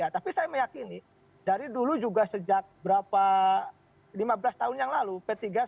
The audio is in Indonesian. tapi saya meyakini dari dulu juga sejak berapa lima belas tahun yang lalu p tiga selalu disurvey gitu ya